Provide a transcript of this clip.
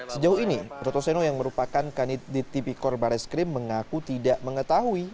sejauh ini brotoseno yang merupakan kanid di tipikor barres krim mengaku tidak mengetahui